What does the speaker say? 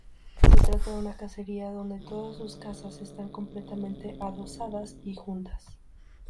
Se trata de una casería donde todas sus casas están completamente adosadas y juntas.